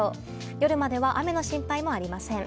夜までは雨の心配もありません。